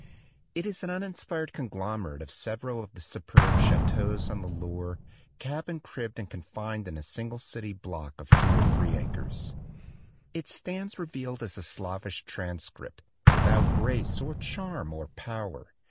It is an uninspired conglomerate of several of the superb chateaux on the Loire, cabined, cribbed and confined in a single city block of two or 43 THE DWELLING OF A DAY DREAM three acres. It stands revealed as a slavish transcript, without grace or charm or power.